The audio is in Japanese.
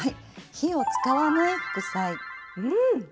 「火を使わない副菜」。